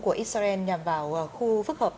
của israel nhằm vào khu phức hợp